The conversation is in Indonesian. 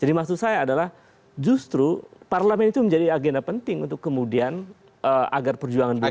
jadi maksud saya adalah justru parlamen itu menjadi agenda penting untuk kemudian agar perjuangan buruh itu